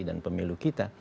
dan pemilu kita